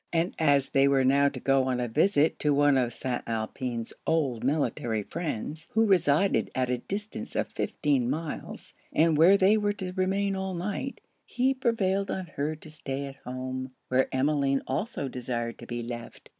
And as they were now to go on a visit to one of St. Alpin's old military friends, who resided at the distance of fifteen miles, and where they were to remain all night, he prevailed on her to stay at home, where Emmeline also desired to be left.